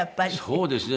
そうですね。